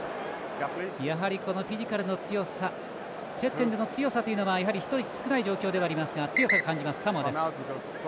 やはり、フィジカルの強さ接点での強さというのはやはり１人少ない状態ではありますが強く感じます、サモアです。